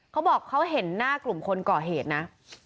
เขาบอกเขาเห็นหน้ากลุ่มคนก่อเหตุนะ